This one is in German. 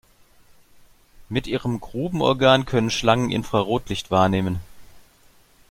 Mit ihrem Grubenorgan können Schlangen Infrarotlicht wahrnehmen.